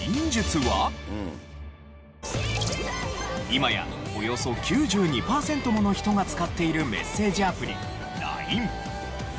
今やおよそ９２パーセントもの人が使っているメッセージアプリＬＩＮＥ。